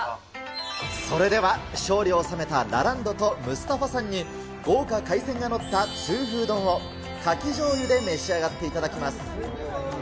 それでは、勝利を収めたラランドとムスタファさんに、豪華海鮮が載った痛風丼を、カキじょうゆで召し上がっていただきます。